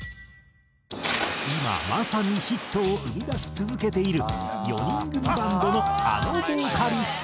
今まさにヒットを生み出し続けている４人組バンドのあのボーカリスト。